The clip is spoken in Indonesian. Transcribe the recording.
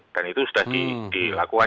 dan itu sudah dilakukan